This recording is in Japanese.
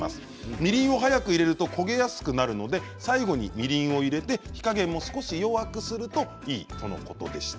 みりんを早く入れると焦げやすくなるので最後にみりんを入れて火加減も少し弱くするといいということでした。